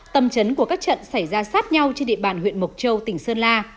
tầm trấn của các trận xảy ra sát nhau trên địa bàn huyện mộc châu tỉnh sơn la